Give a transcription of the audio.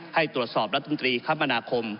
ให้ตรวจสอบรัฐมนตรีคมนาคม